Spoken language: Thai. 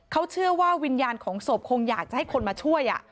เขาเชื่อว่าวิญญาณของศพคงอยากจะให้คนมาช่วย